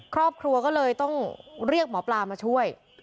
ครอบครัวก็เลยต้องเรียกหมอปลามาช่วย